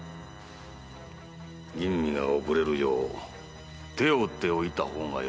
吟味が遅れるよう手を打っておいた方がよろしいかと。